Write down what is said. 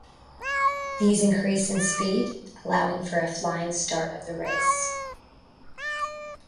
These increase in speed, allowing for a flying start of the race.